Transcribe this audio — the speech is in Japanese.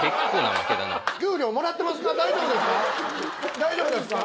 大丈夫ですか？